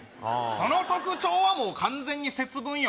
その特徴はもう完全に節分よ